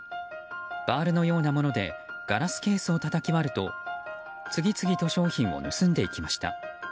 バールのようなものでガラスケースをたたき割ると次々と商品を盗んでいきました。